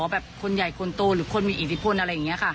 คนใหญ่คนโตหรือคนมีอิทธิพลอะไรอย่างนี้ค่ะ